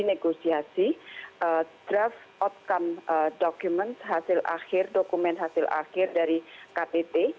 negosiasi draft outcome documents hasil akhir dokumen hasil akhir dari ktt